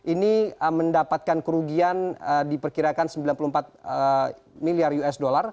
ini mendapatkan kerugian diperkirakan sembilan puluh empat miliar usd